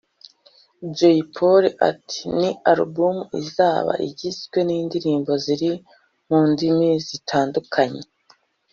Jay Polly ati “Ni album izaba igizwe n’indirimbo ziri mu ndimi zitandukanye